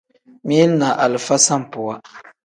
Mili ni alifa sambuwa.